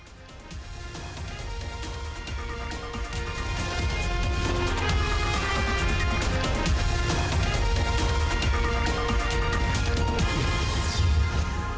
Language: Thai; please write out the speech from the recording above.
โปรดติดตามตอนต่อไป